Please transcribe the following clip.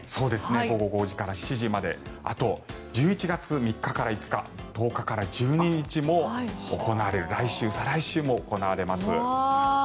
午後５時から７時まであと１１月３日から５日１０日から１２日も行われる来週、再来週も行われます。